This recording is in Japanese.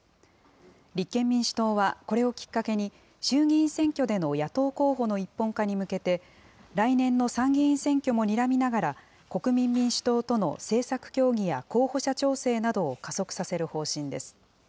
立憲民主党はこれをきっかけに、衆議院選挙での野党候補の一本化に向けて来年の参議院選挙もにらみながら、国民民主党との政策協議や候補者調整などを加速させる方針です。